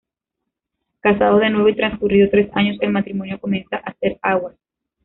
Casados de nuevo y transcurridos tres años, el matrimonio comienza a hacer aguas.